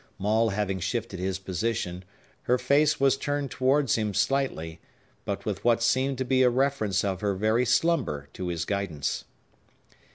Maule having shifted his position, her face was turned towards him slightly, but with what seemed to be a reference of her very slumber to his guidance.